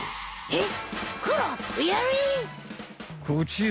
えっ？